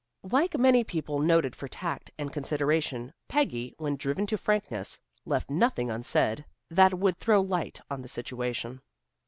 Like many people noted for tact and consideration, Peggy, when driven to frankness, left nothing unsaid that would throw light on the situation.